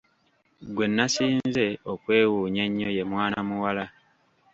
Gwe nasinze okwewuunya ennyo ye mwana muwala.